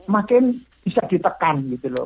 makin bisa ditekan gitu loh